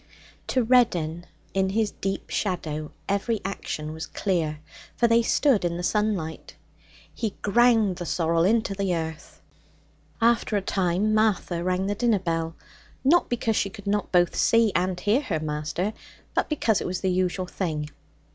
To Reddin in his deep shadow every action was clear, for they stood in the sunlight. He ground the sorrel into the earth. After a time Martha rang the dinner bell, not because she could not both see and hear her master, but because it was the usual thing.